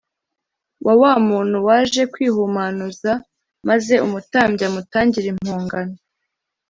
wa wa muntu waje kwihumanuza maze umutambyi amutangire impongano